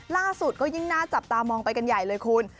ล่าสุดก็ยิ่งน่าจับตามองไปกันใหญ่เลยคุณ